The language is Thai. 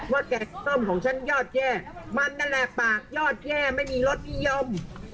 แกงส้มของฉันยอดแย่มันนั่นแหละปากยอดแย่ไม่มีรสนิยม